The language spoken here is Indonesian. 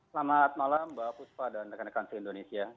selamat malam mbak fusfa dan dekan dekan indonesia